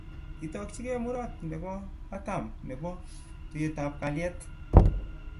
Kitokchikei murot nebo katam nebo tuiyetab kalyet